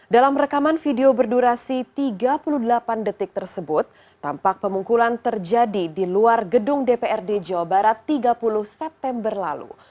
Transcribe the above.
dalam rekaman video berdurasi tiga puluh delapan detik tersebut tampak pemukulan terjadi di luar gedung dprd jawa barat tiga puluh september lalu